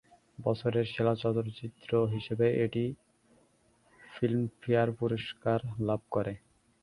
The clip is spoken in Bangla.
বছরের সেরা চলচ্চিত্র হিসেবে এটি ফিল্মফেয়ার পুরস্কার লাভ করে।